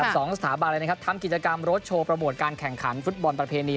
สองสถาบันทำกิจกรรมโรดโชว์ประโหมดการแข่งขันฟุตบอลประเพณี